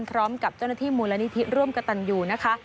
พร้อมกับเจ้าหน้าที่มูลนิธิร่วมกระตันยูนะคะ